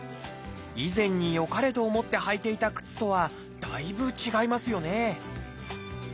以前によかれと思って履いていた靴とはだいぶ違いますよね